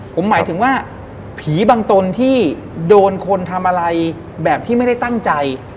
ผมหมายถึงว่าผีบางตนที่โดนคนทำอะไรแบบที่ไม่ได้ตั้งใจ